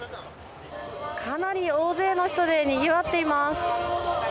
かなり大勢の人でにぎわっています。